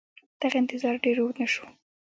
دغه انتظار ډېر اوږد نه شو